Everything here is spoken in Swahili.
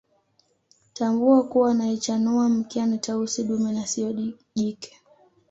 Tambua kuwa anayechanua mkia ni Tausi dume na siyo jike